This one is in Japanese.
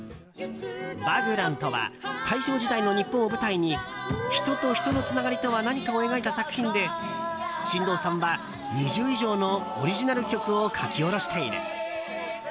「ヴァグラント」とは大正時代の日本を舞台に人と人のつながりとは何かを描いた作品で新藤さんは、２０以上のオリジナル曲を書き下ろしている。